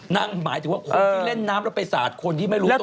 หมายถึงว่าคนที่เล่นน้ำแล้วไปสาดคนที่ไม่รู้ตัว